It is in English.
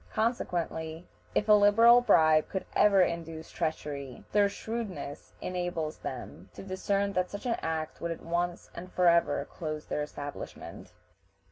Consequently, if a liberal bribe could ever induce treachery, their shrewdness enables them to discern that such an act would at once and forever close their establishments.